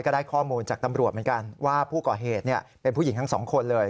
ได้ข้อมูลจากตำรวจเหมือนกันว่าผู้ก่อเหตุเป็นผู้หญิงทั้งสองคนเลย